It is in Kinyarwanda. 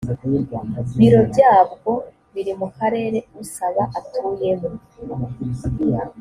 biro byabwo biri mu karere usaba atuyemo